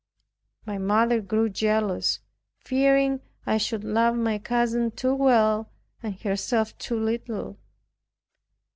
My mother grew jealous, fearing I should love my cousin too well and herself too little.